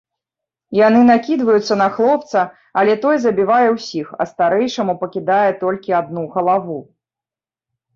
Яны накідваюцца на хлопца, але той забівае ўсіх, а старэйшаму пакідае толькі адну галаву.